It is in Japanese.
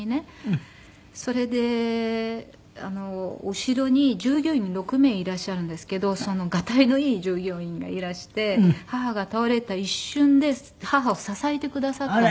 それで後ろに従業員６名いらっしゃるんですけどガタイのいい従業員がいらして母が倒れた一瞬で母を支えてくださったので。